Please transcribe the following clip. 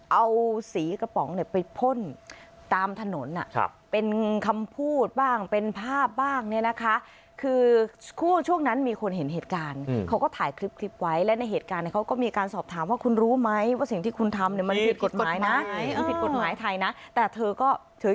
เอาสีกระป๋องเนี่ยไปพ่นตามถนนเป็นคำพูดบ้างเป็นภาพบ้างเนี่ยนะคะคือช่วงนั้นมีคนเห็นเหตุการณ์เขาก็ถ่ายคลิปไว้และในเหตุการณ์เนี่ยเขาก็มีการสอบถามว่าคุณรู้ไหมว่าสิ่งที่คุณทำเนี่ยมันผิดกฎหมายนะแต่เธอก็ถือ